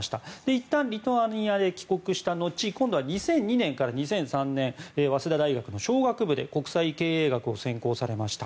いったんリトアニアへ帰国した後今度は２００２年から２００３年早稲田大学の商学部で国際経営学を専攻されました。